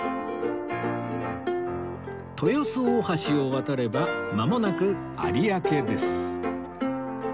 豊洲大橋を渡ればまもなく有明です